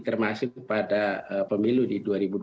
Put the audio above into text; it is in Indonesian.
termasuk kepada pemilu di dua ribu dua puluh empat